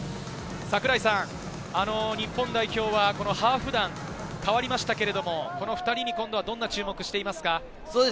櫻井さん、日本代表はハーフ団が代わりましたけれども、この２人に今度はどんな注目をしていますか？